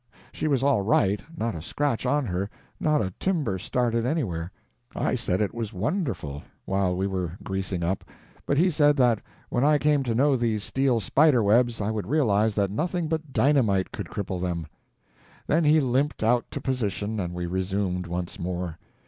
She was all right, not a scratch on her, not a timber started anywhere. I said it was wonderful, while we were greasing up, but he said that when I came to know these steel spider webs I would realize that nothing but dynamite could cripple them. Then he limped out to position, and we resumed once more.